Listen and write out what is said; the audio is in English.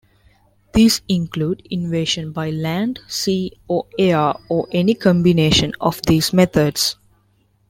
These include invasion by land, sea, or air, or any combination of these methods.